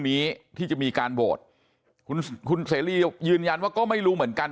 นี้ที่จะมีการโหวตคุณคุณเสรียืนยันว่าก็ไม่รู้เหมือนกัน